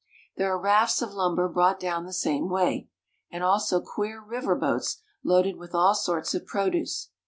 There are rafts of lumber brought down the same way, and also queer river boats loaded with all sorts of produce.